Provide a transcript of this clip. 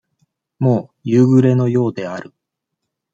もう、夕暮れのようである。